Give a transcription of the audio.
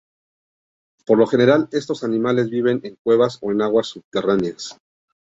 Por lo general, estos animales viven en cuevas o en aguas subterráneas.